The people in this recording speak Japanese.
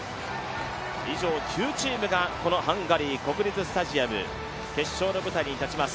以上９チームがこのハンガリー国立スタジアム決勝の舞台に立ちます。